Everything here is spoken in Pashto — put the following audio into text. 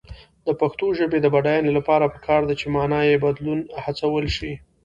د پښتو ژبې د بډاینې لپاره پکار ده چې معنايي بدلون هڅول شي.